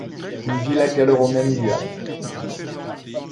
Une villa gallo-romaine du ap.